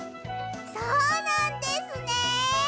そうなんですね！